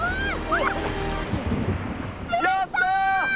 やった！